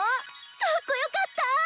かっこよかったぁ！